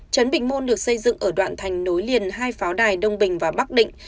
trấn bình môn được xây dựng ở đoạn thành nối liền hai pháo đài đông bình và bắc định